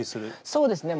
そうですね